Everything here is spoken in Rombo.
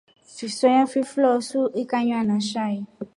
Fisoya fifloso ikanywa na shai.